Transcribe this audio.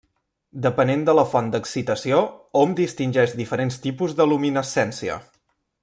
Depenent de la font d'excitació, hom distingeix diferents tipus de luminescència.